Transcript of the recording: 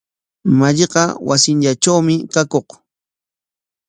Malliqa wasinllatrawmi kakuq.